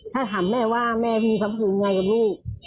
ถ้าถามแม่ว่าแม่มีความสุขไงกับลูก